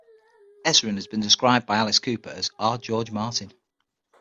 Ezrin has been described by Alice Cooper as "our George Martin".